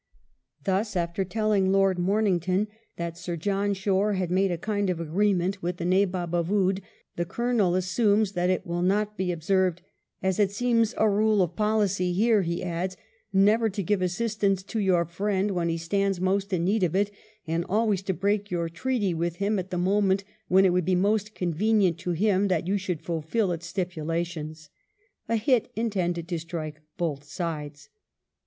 Thus, after telling Lord Momington that Sir John Shore had made a kind of agreement with "the Nabob" of Oude, the Colonel assumes that it will not be observed, "as it seems a rule of policy here," he adds, "never to give assistance to your friend when he stands most in need of it, and always to break your treaty with him at the moment when it would be most convenient to him that you should fulfil its stipulations" — a hit intended to strike both sides.